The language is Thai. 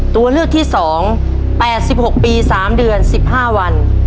ตัวเลือกที่สองแปดสิบหกปีสามเดือนสิบห้าวัน